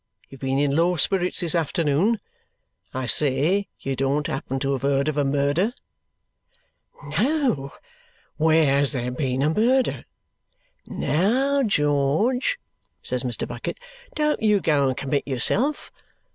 You've been in low spirits this afternoon. I say, you don't happen to have heard of a murder?" "No. Where has there been a murder?" "Now, George," says Mr. Bucket, "don't you go and commit yourself.